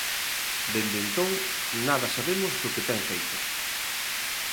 Dende entón nada sabemos do que ten feito.